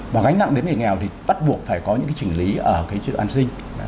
và gánh nặng đến người nghèo thì bắt buộc phải có những trình lý ở cái chế độ an sinh